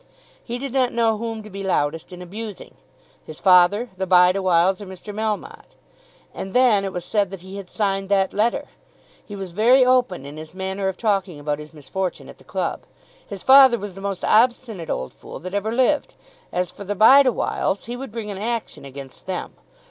He did not know whom to be loudest in abusing, his father, the Bideawhiles, or Mr. Melmotte. And then it was said that he had signed that letter! He was very open in his manner of talking about his misfortune at the club. His father was the most obstinate old fool that ever lived. As for the Bideawhiles, he would bring an action against them.